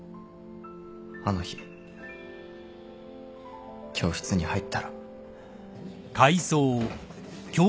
あの日教室に入ったら。